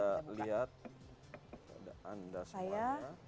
kita lihat pada anda semuanya